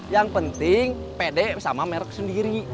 yang penting pede sama merek sendiri